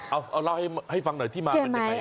เอาให้ฟังหน่อยที่มามันเป็นไง